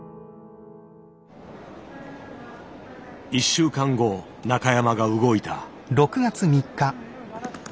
１週間後中山が動いた。